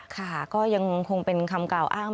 ค่ะก็ยังคงเป็นคำกล่าวอ้าง